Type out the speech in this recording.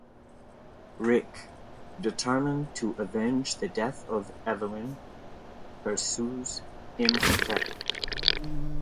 Rick, determined to avenge the death of Evelyn, pursues Imhotep.